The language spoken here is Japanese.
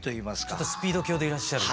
ちょっとスピード狂でいらっしゃる？